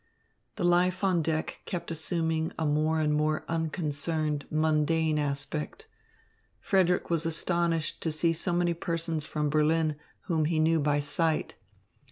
The life on deck kept assuming a more and more unconcerned, mundane aspect. Frederick was astonished to see so many persons from Berlin whom he knew by sight.